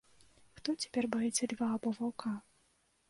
Хто цяпер баіцца льва або ваўка?